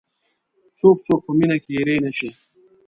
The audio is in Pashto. څو څوک په مینه کې اېرې نه شي.